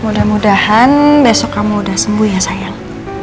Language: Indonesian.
mudah mudahan besok kamu udah sembuh ya sayang